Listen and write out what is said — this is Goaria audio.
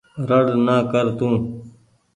ۯڙ نآ ڪر تو۔